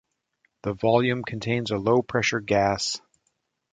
The volume contains a low pressure gas.